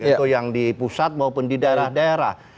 itu yang di pusat maupun di daerah daerah